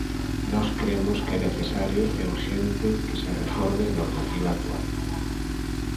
Nós cremos que é necesario e urxente que se reforme a normativa actual.